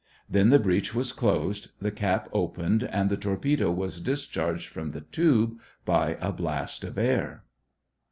Then the breech was closed, the cap opened, and the torpedo was discharged from the tube by a blast of air.